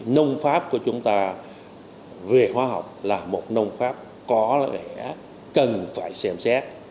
nông pháp của chúng ta về hóa học là một nông pháp có lẽ cần phải xem xét